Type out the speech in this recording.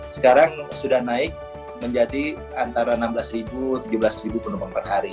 sekarang sudah naik menjadi antara enam belas tujuh belas penumpang per hari